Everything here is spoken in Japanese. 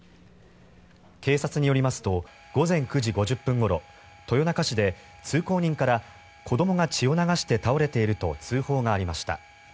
警察によりますと午前９時５０分ごろ豊中市で、通行人から子どもが血を流して倒れていると通報がありました。